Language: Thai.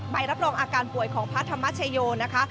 ใบรับรองอาการป่วยของพระธรรมชโยนะคะ